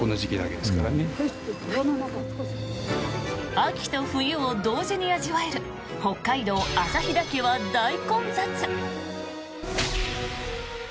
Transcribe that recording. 秋と冬を同時に味わえる北海道・旭岳は大混雑。